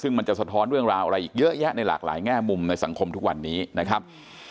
ซึ่งมันจะสะท้อนเรื่องราวอะไรอีกเยอะแยะในหลากหลายแง่มุมในสังคมทุกวันนี้นะครับ